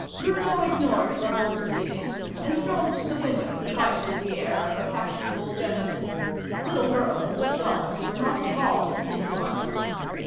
Bruno ignored the whole proceeding, and strolled to the window, quite with the air of a fashionable gentleman. Little girls, and dolls, were not at all in his line.